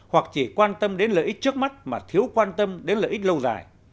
hoặc chỉ quan tâm đến lợi ích trước mắt mà thiếu quan tâm đến lợi ích lâu dài